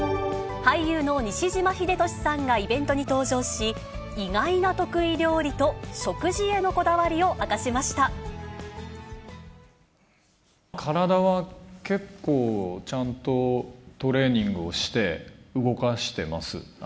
俳優の西島秀俊さんがイベントに登場し、意外な得意料理と、体は結構、ちゃんとトレーニングをして、動かしてます。